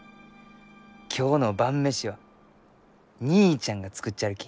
今日の晩飯は義兄ちゃんが作っちゃるき。